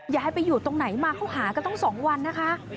ยายไปอยู่ตรงไหนมาเขาหากันตั้ง๒วันนะคะ